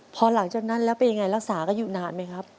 พอหลังจากนั้นแล้วเป็นยังไงรักษากันอยู่นานไหมครับ